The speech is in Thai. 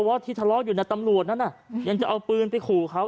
ว่าที่ทะเลาะอยู่ในตำรวจนั้นยังจะเอาปืนไปขู่เขา